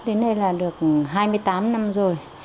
đến đây là được hai mươi tám năm rồi